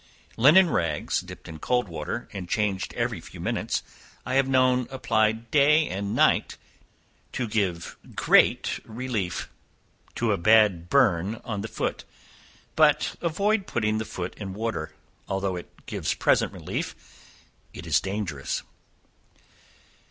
Linen rags dipped in cold water and changed every few minutes, I have known applied day and night to give relief to a bad burn on the foot; but avoid putting the foot in water, although it gives present relief, it is dangerous.